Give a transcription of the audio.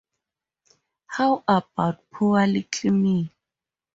How about poor little me?